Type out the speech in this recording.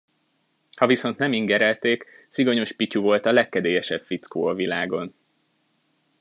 Ha viszont nem ingerelték, Szigonyos Pityu volt a legkedélyesebb fickó a világon.